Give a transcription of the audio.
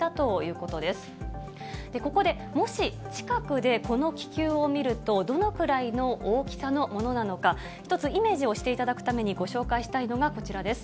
ここで、もし近くでこの気球を見ると、どのくらいの大きさのものなのか、一つ、イメージをしていただくためにご紹介したいのがこちらです。